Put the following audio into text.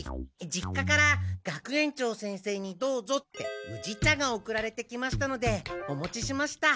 実家から「学園長先生にどうぞ」って宇治茶が送られてきましたのでお持ちしました。